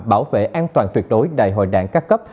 bảo vệ an toàn tuyệt đối đại hội đảng các cấp